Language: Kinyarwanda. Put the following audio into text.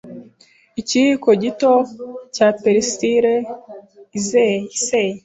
Ikiyiko gito cya perisile iseye,